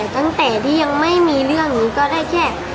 ตั้งแต่ที่ยังไม่มีเรื่องนี้ก็ได้แค่